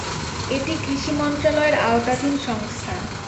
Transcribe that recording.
এটি কৃষি মন্ত্রণালয়ের আওতাধীন সংস্থা।